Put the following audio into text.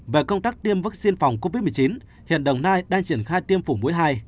về công tác tiêm vaccine phòng covid một mươi chín hiện đồng nai đang triển khai tiêm phổi mũi hai